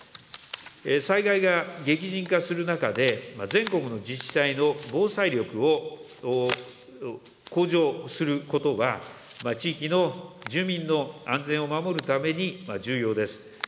災害が激甚化する中で、全国の自治体の防災力を向上することは、地域の住民の安全を守るために重要です。